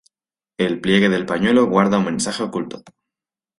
El pliegue del pañuelo guarda un mensaje oculto.